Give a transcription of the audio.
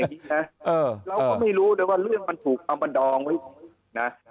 เราก็ไม่รู้เลยว่าเรื่องมันถูกเอามาดองไว้นะ